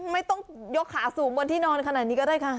ไม่ต้องยกขาสูงบนที่นอนขนาดนี้ก็ได้ค่ะ